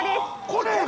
これ？